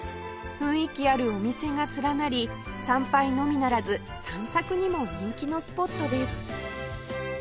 雰囲気あるお店が連なり参拝のみならず散策にも人気のスポットです